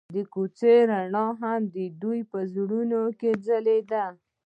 د کوڅه رڼا هم د دوی په زړونو کې ځلېده.